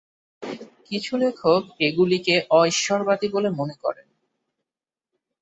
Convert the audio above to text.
কিছু লেখক এগুলিকে অ-ঈশ্বরবাদী বলে মনে করেন।